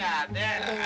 oh deh gak ada